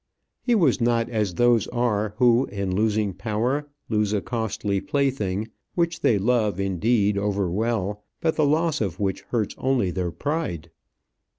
He was not as those are who, in losing power, lose a costly plaything, which they love indeed over well, but the loss of which hurts only their pride.